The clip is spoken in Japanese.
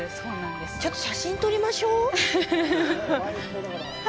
ちょっと写真撮りましょ。